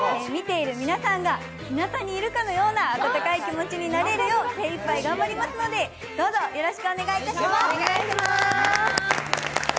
見ている皆さんがひなたにいるかのような温かい気持ちになれるよう精いっぱい頑張りますので、どうぞよろしくお願いいたします。